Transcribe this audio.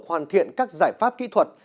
hoàn thiện các giải pháp kỹ thuật